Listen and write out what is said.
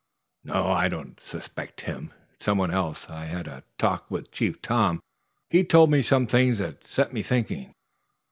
"No, I don't suspect him. It's someone else. I had a talk with Chief Tom. He told me some things that set me thinking."